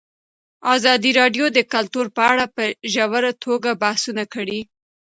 ازادي راډیو د کلتور په اړه په ژوره توګه بحثونه کړي.